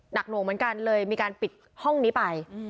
หน่วงเหมือนกันเลยมีการปิดห้องนี้ไป